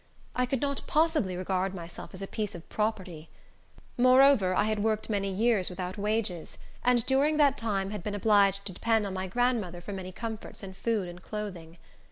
I could not possibly regard myself as a piece of property. Moreover, I had worked many years without wages, and during that time had been obliged to depend on my grandmother for many comforts in food and clothing.